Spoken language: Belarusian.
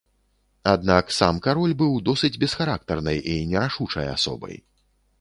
Аднак сам кароль быў досыць бесхарактарнай і нерашучай асобай.